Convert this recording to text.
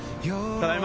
ただいま。